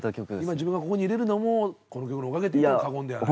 今自分がここにいれるのもこの曲のおかげって言っても過言ではない。